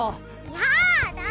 やだ！